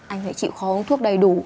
anh phải chịu khó uống thuốc đầy đủ